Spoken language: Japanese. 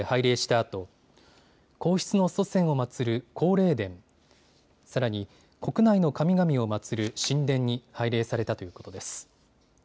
あと皇室の祖先を祭る皇霊殿、さらに国内の神々を祭る神殿に拝礼されたということです。